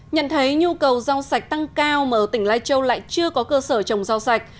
nhận thấy nhu cầu rau sạch tăng cao mà ở tỉnh lai châu lại chưa có cơ sở trồng rau sạch